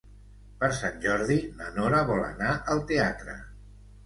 Per Sant Jordi na Nora vol anar al teatre.